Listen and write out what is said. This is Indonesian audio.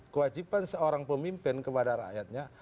kewajiban seorang pemimpin kepada rakyatnya